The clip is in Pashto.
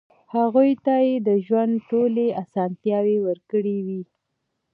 هغوی ته يې د ژوند ټولې اسانتیاوې ورکړې وې.